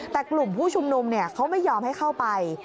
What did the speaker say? แต่กลุ่มผู้ชุมนุมเขาไม่ยอมให้เข้าไป